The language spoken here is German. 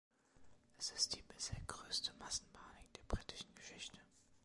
Es ist die bisher größte Massenpanik der britischen Geschichte.